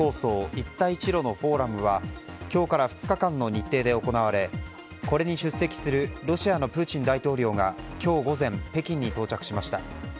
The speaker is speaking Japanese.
一帯一路のフォーラムは今日から２日間の日程で行われこれに出席するロシアのプーチン大統領が今日午前、北京に到着しました。